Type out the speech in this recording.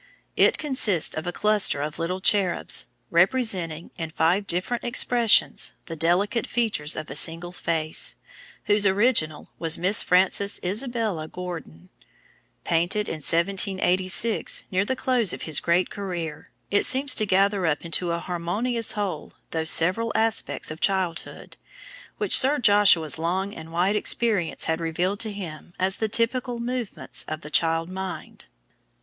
It consists of a cluster of little cherubs, representing, in five different expressions, the delicate features of a single face, whose original was Miss Frances Isabella Gordon. Painted in 1786, near the close of his great career, it seems to gather up into a harmonious whole those several aspects of childhood which Sir Joshua's long and wide experience had revealed to him as the typical movements of the child mind.